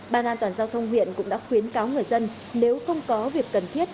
ban an toàn giao thông huyện cũng đã khuyến cáo người dân nếu không có việc cần thiết